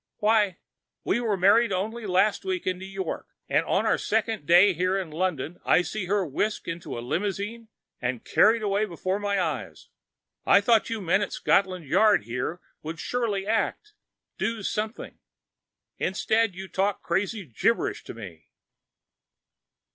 Why, we were married only last week in New York. And on our second day here in London, I see her whisked into a limousine and carried away before my eyes! I thought you men at Scotland Yard here would surely act, do something. Instead you talk crazy gibberish to me!"